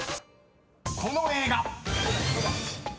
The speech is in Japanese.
［この映画］